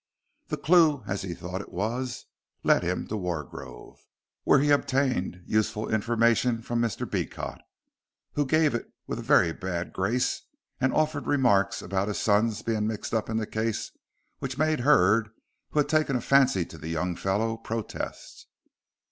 The clue, as he thought it was, led him to Wargrove, where he obtained useful information from Mr. Beecot, who gave it with a very bad grace, and offered remarks about his son's being mixed up in the case, which made Hurd, who had taken a fancy to the young fellow, protest.